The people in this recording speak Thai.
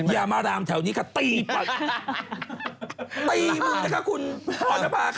อย่ามารามแถวนี้ค่ะตีมือค่ะคุณธนภาค่ะ